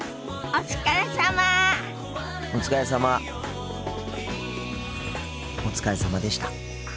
お疲れさまでした。